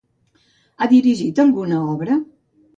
Ha dirigit alguna obra?